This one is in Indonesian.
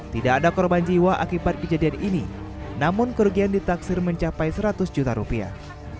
tidak ada korban jiwa akibat kejadian ini namun kerugian ditaksir mencapai seratus juta rupiah